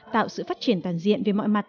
tạo sự phát triển toàn diện về mọi mặt